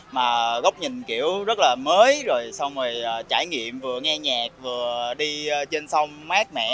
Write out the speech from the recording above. mà góc nhìn kiểu rất là mới rồi xong rồi trải nghiệm vừa nghe nhạc vừa đi trên sông mát mẻ